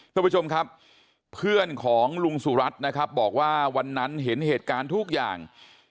ทุกผู้ชมครับเพื่อนของลุงสุรัตน์นะครับบอกว่าวันนั้นเห็นเหตุการณ์ทุกอย่าง